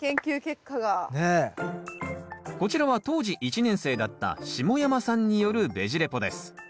こちらは当時１年生だった下山さんによるベジ・レポです。